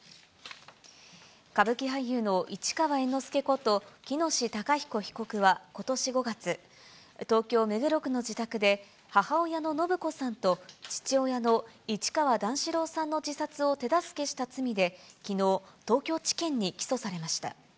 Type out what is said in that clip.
歌舞伎俳優の市川猿之助こと喜熨斗孝彦被告はことし５月、東京・目黒区の自宅で母親の延子さんと父親の市川段四郎さんの自殺を手助けした罪できのう、東京地検に起訴されました。